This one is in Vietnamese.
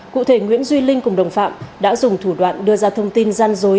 cụ thể nguyễn duy linh cùng đồng phạm đã dùng thủ đoạn đưa ra thông tin gian dối